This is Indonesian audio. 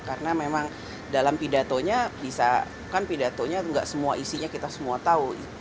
karena memang dalam pidatonya bisa kan pidatonya nggak semua isinya kita semua tahu